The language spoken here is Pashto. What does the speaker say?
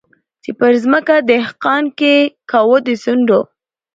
چي پر مځکه دهقان کښت کاوه د سونډو